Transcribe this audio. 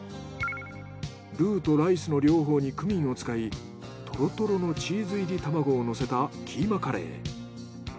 ルーとライスの両方にクミンを使いとろとろのチーズ入り玉子を乗せたキーマカレー。